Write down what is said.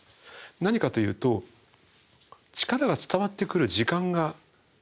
何かというと力が伝わってくる時間が全然書かれてないんですね。